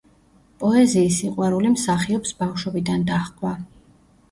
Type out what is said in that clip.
პოეზიის სიყვარული მსახიობს ბავშვობიდან დაჰყვა.